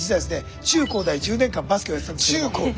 中高大１０年間バスケをやってたんですけども。